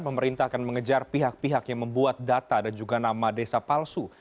pemerintah akan mengejar pihak pihak yang membuat data dan juga nama desa palsu